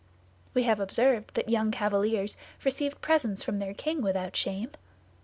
We have observed that young cavaliers received presents from their king without shame.